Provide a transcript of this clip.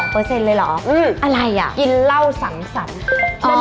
๕๒เปอร์เซ็นต์เลยเหรออะไรอะกินเหล้าสังสรรค์